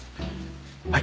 はい。